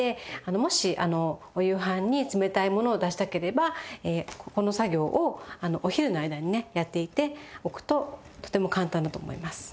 もしお夕飯に冷たいものを出したければここの作業をお昼の間にねやっておくととても簡単だと思います。